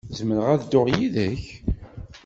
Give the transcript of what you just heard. Zemreɣ ad dduɣ yid-k?